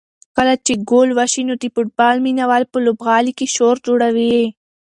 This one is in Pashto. کله چې ګول وشي نو د فوټبال مینه وال په لوبغالي کې شور جوړوي.